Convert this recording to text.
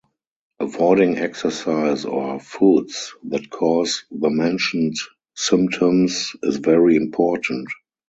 Avoiding exercise or foods that cause the mentioned symptoms is very important.